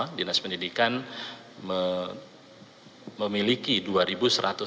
karena dinas pendidikan memiliki dua sekolah